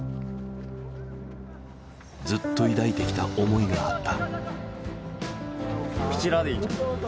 ずっと抱いてきた思いがあった。